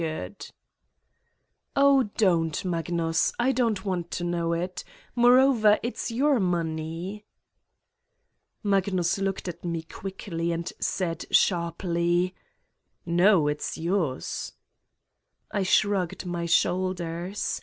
165 Satan's Diary "Oh, don't, Magnus. I don't want to know Moreover, it's your money." Magnus looked at me quickly and said sharp! "No, it's yours." I shrugged my shoulders.